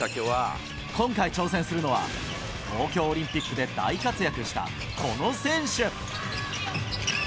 今回挑戦するのは、東京オリンピックで大活躍したこの選手。